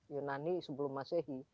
yunani sebelum masehi